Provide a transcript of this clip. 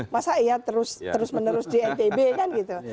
masa ya terus menerus di ntb kan gitu